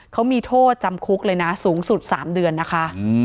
เขามีโทษจำคุกเลยนะสูงสุด๓เดือนนะคะ